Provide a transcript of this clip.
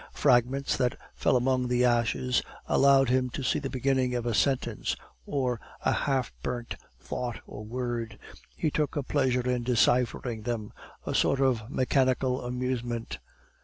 Fragments that fell among the ashes allowed him to see the beginning of a sentence, or a half burnt thought or word; he took a pleasure in deciphering them a sort of mechanical amusement.